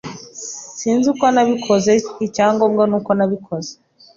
Sinzi uko nabikoze. Icyangombwa nuko nabikoze.